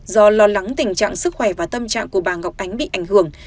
do lo lắng tình trạng sức khỏe và tâm trạng của bà ngọc ánh bị ảnh hưởng